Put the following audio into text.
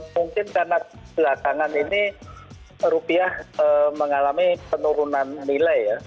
mungkin karena belakangan ini rupiah mengalami penurunan nilai ya